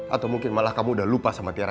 atau mungkin malah kamu udah lupa sama tiara